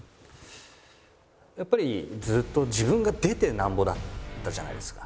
やっぱりずっと自分が出て何ぼだったじゃないですか。